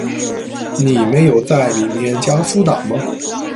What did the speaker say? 你没有在里面加苏打吗？